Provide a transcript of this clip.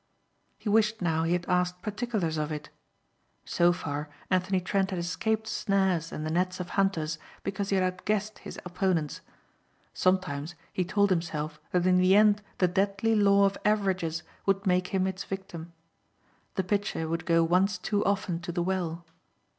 He wished now he had asked particulars of it. So far Anthony Trent had escaped snares and the nets of hunters because he had outguessed his opponents. Sometimes he told himself that in the end the deadly law of averages would make him its victim. The pitcher would go once too often to the well.